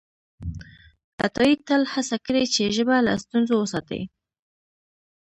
عطایي تل هڅه کړې چې ژبه له ستونزو وساتي.